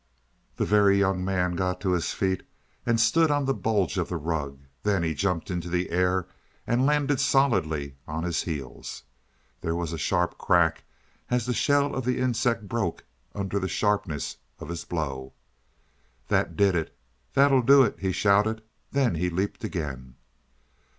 The Very Young Man got to his feet and stood on the bulge of the rug. Then he jumped into the air and landed solidly on his heels. There was a sharp crack as the shell of the insect broke under the sharpness of his blow. "That did it; that'll do it!" he shouted. Then he leaped again.